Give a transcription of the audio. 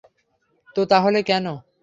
তো তাহলে কেন?